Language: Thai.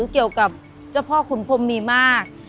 เกี่ยวกับเจ้าพ่อขุนพรมมีมาก